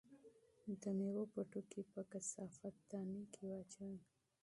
د مېوو پوستکي په کثافاتدانۍ کې واچوئ.